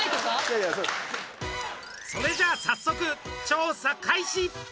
それじゃ早速調査開始！